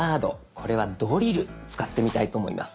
これは「ドリル」使ってみたいと思います。